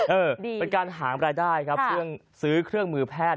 เป็นการหารายได้ครับเครื่องซื้อเครื่องมือแพทย์